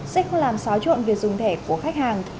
sẽ không làm xáo trộn việc dùng thẻ của khách hàng